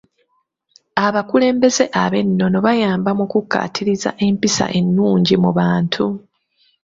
Abakulembeze ab'ennono bayamba mu kukkaatiriza empisa ennungi mu bantu.